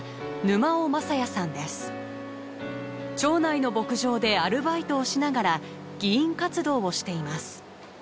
町内の牧場でアルバイトをしながら議員活動をしています。